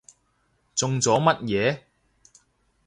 中咗乜嘢？